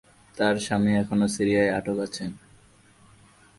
তার স্বামী এখনো সিরিয়ায় আটক আছেন।